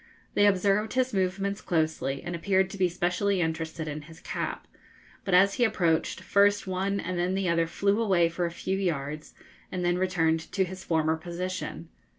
They observed his movements closely, and appeared to be specially interested in his cap; but as he approached, first one and then the other flew away for a few yards, and then returned to his former position.